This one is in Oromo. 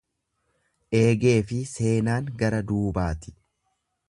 Eegeefi seenaan gara duubaati.